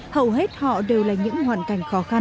hầu hết họ đều là những hoàn cảnh khó khăn